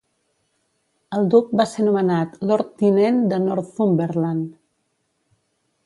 El duc va ser nomenat Lord Tinent de Northumberland.